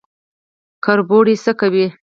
کربوړی څه کوي؟